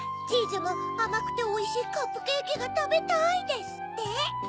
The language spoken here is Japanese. チーズも「あまくておいしいカップケーキがたべたい」ですって。